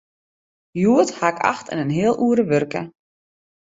Hjoed haw ik acht en in heal oere wurke.